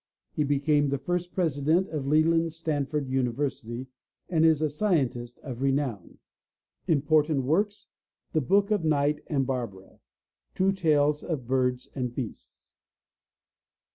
He became the first president of Leland Stanford University and is a scientist of renown. Important Works: The Book of Knight and Barbara. True Tales oj Birds and Beasts.